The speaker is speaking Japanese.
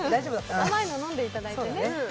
甘いの飲んでいただいてね。